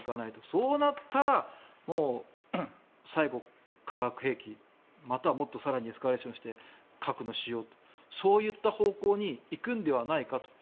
そうなったら最後、化学兵器またはもっと更にエスカレーションして核の使用そういった方向に行くんではないかと。